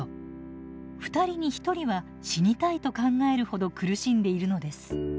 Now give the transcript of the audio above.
２人に１人は「死にたい」と考えるほど苦しんでいるのです。